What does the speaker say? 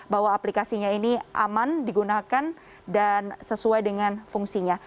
bahwa aplikasinya ini aman digunakan dan sesuai dengan fungsinya